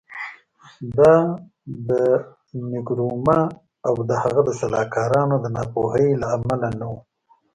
دا د نکرومه او د هغه د سلاکارانو د ناپوهۍ له امله نه و.